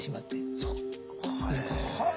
そっかえ。